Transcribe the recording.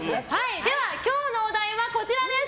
今日のお題はこちらです！